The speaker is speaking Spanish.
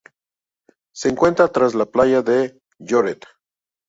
Se encuentra tras la playa de Lloret.